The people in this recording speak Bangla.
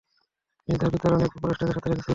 তিনি তার পিতার অনেক উপদেষ্টাকে সাথে রেখেছিলেন।